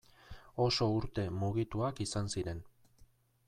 Oso urte mugituak izan ziren.